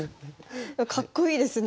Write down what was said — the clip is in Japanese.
かっこいいですね。